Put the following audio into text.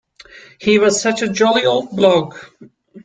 He was such a jolly old bloke.